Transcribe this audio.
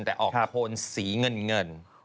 แต่ออกโคนสีเงิน